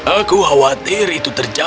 aku khawatir itu terjadi